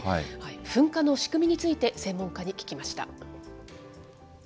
噴火の仕組みについて、専門家に聞きました。